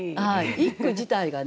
一句自体がね